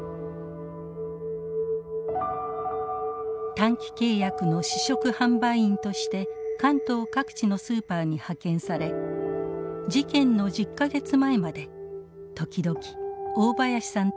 短期契約の試食販売員として関東各地のスーパーに派遣され事件の１０か月前まで時々大林さんと一緒に仕事をしたといいます。